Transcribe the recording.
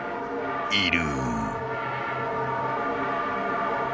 いる。